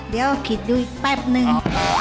เดี๋ยวคิดดูอีกแป๊บนึง